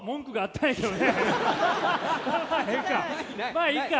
まあいいか。